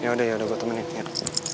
ya udah yaudah gue temenin